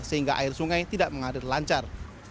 sehingga air sungai tidak mengalir lancar